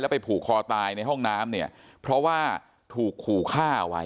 ไปผูกคอตายในห้องน้ำเนี่ยเพราะว่าถูกขู่ฆ่าเอาไว้